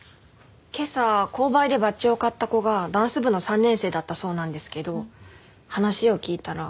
今朝購買でバッジを買った子がダンス部の３年生だったそうなんですけど話を聞いたら。